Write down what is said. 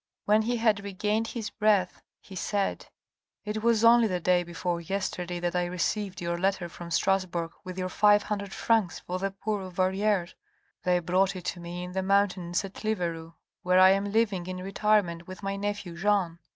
When he had regained his breath, he said, " It was only the day before yesterday that I received your letter from Strasbourg with your five hundred francs for the poor of Verrieres. They brought it to me in the mountains at Liveru where I am living in retirement with my nephew Jean.